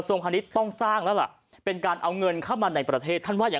ถูกต้องแต่ตอนนี้คือทั่วประเทศไปแล้ว